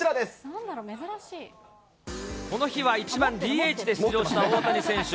なんだろう、この日は、１番ＤＨで出場した大谷選手。